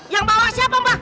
yang bawah siapa mbak